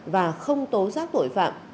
và không tố giác tội phạm